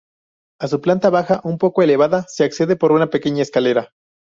A su planta baja, un poco elevada, se accede por una pequeña escalera.